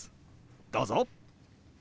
どうぞ！